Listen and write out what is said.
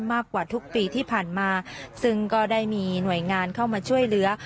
มากกว่าทุกปีที่ผ่านมาซึ่งก็ได้มีหน่วยงานเข้ามาช่วยเหลือ